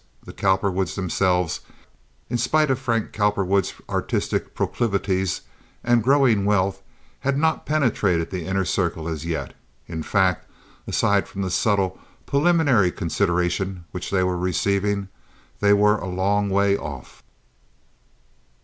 The Cowperwoods themselves, in spite of Frank Cowperwood's artistic proclivities and growing wealth, had not penetrated the inner circle as yet. In fact, aside from the subtle, preliminary consideration which they were receiving, they were a long way off.